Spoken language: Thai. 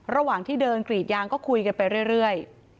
ระหว่างที่เดินกรีดยางก็คุยกันไปเรื่อย